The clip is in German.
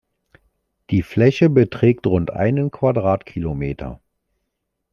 Die Fläche beträgt rund einen Quadratkilometer.